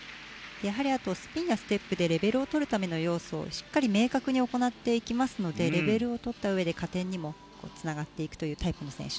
あとスピンやステップでレベルをとるための要素をしっかりと明確に行いますのでレベルをとったうえで加点にもつながっていく選手。